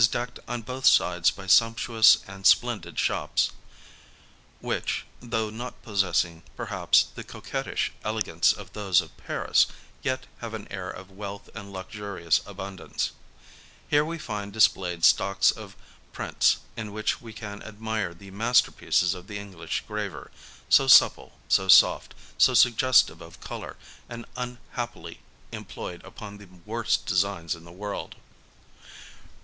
'. r A DAY IN LONDON 51 decked on both sides by sumptuous and splendid shops, which, though not possessing, perhaps, the coquettish ele gance of those of Paris, yet have an air of wealth and lux urious abundance. Here we find displayed stocks of prints in which we can admire the masterpieces of the English graver, so supple, so soft, so suggestive of colour, and un happily employed upon the worst designs in the world.